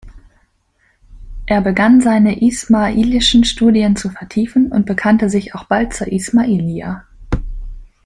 Er begann seine ismāʿīlīschen Studien zu vertiefen und bekannte sich auch bald zur Ismaʿiliyya.